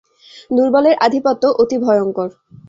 দুর্বলের আধিপত্য অতি ভয়ংকর।